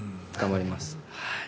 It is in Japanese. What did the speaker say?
頑張ります。